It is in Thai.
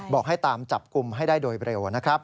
บอกให้ตามจับกลุ่มให้ได้โดยเร็วนะครับ